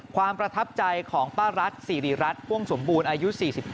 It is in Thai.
ความประทับใจของป้ารัฐสิริรัตน์พ่วงสมบูรณ์อายุ๔๙